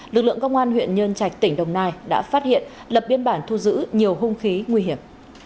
lực lượng công an huyện nhân trạch tỉnh đồng nai đã phát hiện lập biên bản thu giữ nhiều hung khí nguy hiểm